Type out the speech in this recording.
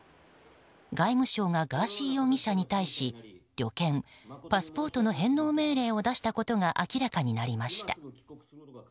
外務省がガーシー容疑者に対し旅券、パスポートの返納命令を出したことが明らかになりました。